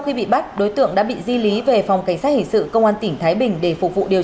khi bị bắt đối tượng đã bị di lý về phòng cảnh sát hình sự công an tỉnh thái bình để phục vụ điều